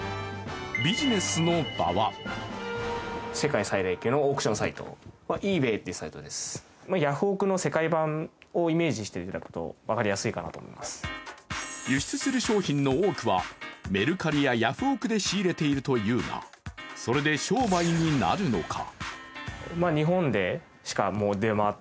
ビジネスの場は輸出する商品の多くはメルカリやヤフオク！で仕入れているというがそれで商売になるのか？